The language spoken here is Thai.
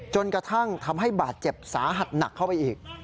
จนกระทั่งทำให้บาดเจ็บสาหัสหนักเข้าไปอีก